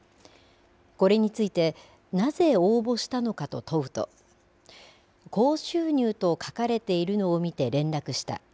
これについてなぜ応募したのかと問うと高収入と書かれているのを見て連絡した。